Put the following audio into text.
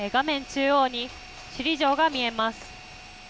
中央に、首里城が見えます。